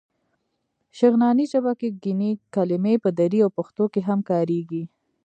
شغناني ژبه کې ګڼې کلمې په دري او پښتو کې هم کارېږي.